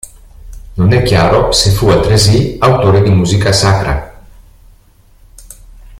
Non è chiaro se fu altresì autore di musica sacra.